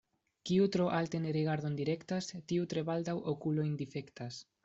Kiu tro alten rigardon direktas, tiu tre baldaŭ okulojn difektas.